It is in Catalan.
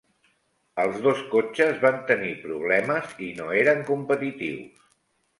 Els dos cotxes van tenir problemes i no eren competitius.